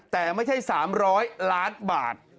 แต่ไม่ใช่๓๐๐ล้านบาท